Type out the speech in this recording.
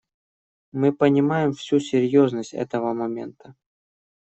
Мы понимаем всю серьезность этого момента.